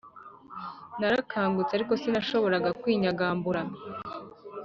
narakangutse ariko sinashoboraga kwinyagambura